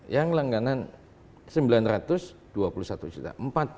yang langganan sembilan ratus juta